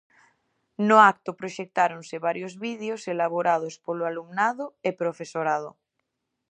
No acto proxectáronse varios vídeos elaborados polo alumnado e profesorado.